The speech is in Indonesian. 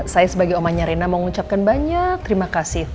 saya sebagai omanya reina mau ngucapkan banyak terima kasih